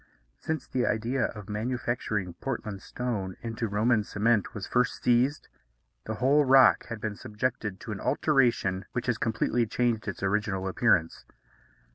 Since the idea of manufacturing Portland stone into Roman cement was first seized, the whole rock has been subjected to an alteration which has completely changed its original appearance.